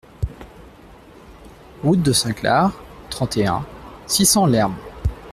Route de Saint-Clar, trente et un, six cents Lherm